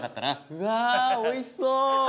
うわおいしそう。